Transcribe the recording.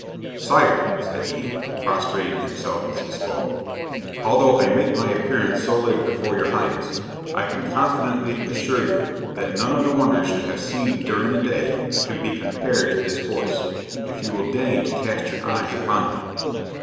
"Sire," said he, prostrating himself as he spoke, "although I make my appearance so late before your Highness, I can confidently assure you that none of the wonders you have seen during the day can be compared to this horse, if you will deign to cast your eyes upon him."